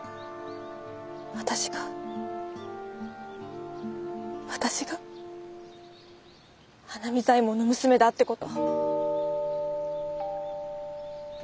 私が私が花水左衛門の娘だって事。